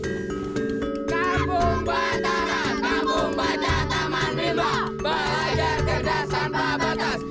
kampung batara kampung batataman milba belajar gerdas tanpa batas